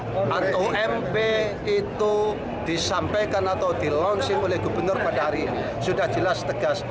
untuk ump itu disampaikan atau dilonsing oleh gubernur pada hari ini sudah jelas tegas